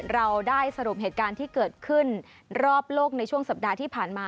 เราได้สรุปเหตุการณ์ที่เกิดขึ้นรอบโลกในช่วงสัปดาห์ที่ผ่านมา